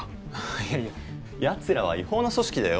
いやいややつらは違法な組織だよ